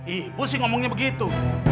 ibu sih ngomongnya begitu